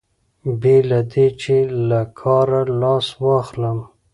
بې له دې چې له کاره لاس واخلم.